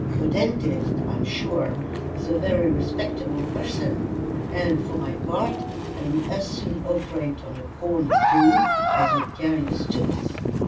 A dentist, I am sure, is a very respectable person; and, for my part, I would as soon operate on a corny toe as a carious tooth.